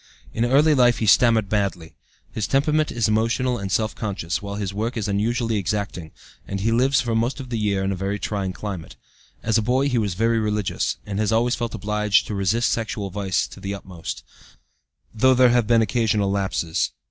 In early life he stammered badly; his temperament is emotional and self conscious, while his work is unusually exacting, and he lives for most of the year in a very trying climate. As a boy he was very religious, and has always felt obliged to resist sexual vice to the utmost, though there have been occasional lapses.